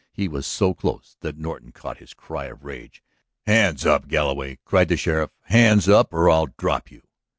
He was so close that Norton caught his cry of rage. "Hands up, Galloway!" cried the sheriff. "Hands up or I'll drop you."